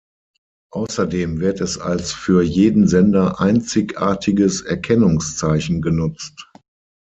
Außerdem wird es als für jeden Sender einzigartiges Erkennungszeichen genutzt.